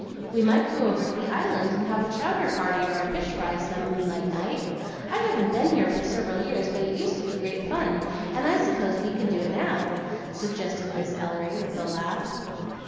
"We might go over to the island and have a chowder party or a fish fry some moonlight night. I haven't been here for several years, but it used to be great fun, and I suppose we can do it now," suggested Miss Ellery with the laugh.